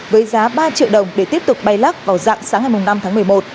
với giá ba triệu đồng để tiếp tục bay lắc vào dạng sáng ngày năm tháng một mươi một